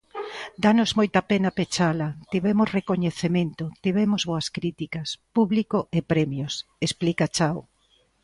"Dános moita pena pechala, tivemos recoñecemento, tivemos boas críticas, público e premios", explica Chao.